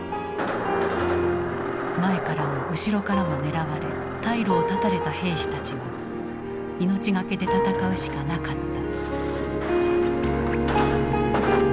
前からも後ろからも狙われ退路を断たれた兵士たちは命懸けで戦うしかなかった。